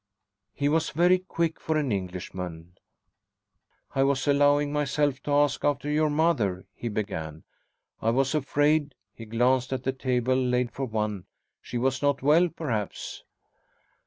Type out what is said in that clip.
He was very quick for an Englishman. "I was allowing myself to ask after your mother," he began. "I was afraid" he glanced at the table laid for one "she was not well, perhaps?"